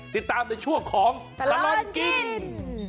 ติดตามในช่วงของตลอดกิน